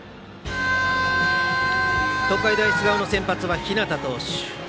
東海大菅生の先発は日當投手。